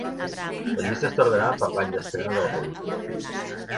La llista està ordenada per l'any d'estrena de la pel·lícula.